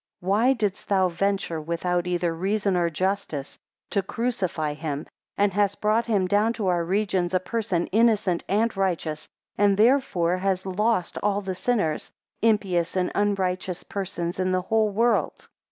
13 Why didst thou venture, without either reason or justice, to crucify him, and hast brought down to our regions a person innocent and righteous, and thereby hast lost all the sinners, impious and unrighteous persons in the whole world?